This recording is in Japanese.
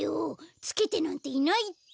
つけてなんていないって！